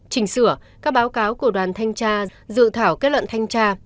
chỉnh sửa các báo cáo của đoàn thanh tra dự thảo kết luận thanh tra